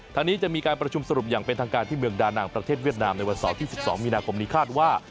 ทางนี้จะมีการประชุมสรุปอย่างเป็นทางการที่เมืองดานางประเทศเวียดนามในวันเสาร์ที่๑๒มีนาคมนี้คาดว่า